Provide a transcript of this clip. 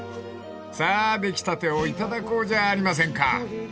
［さあ出来たてをいただこうじゃありませんか］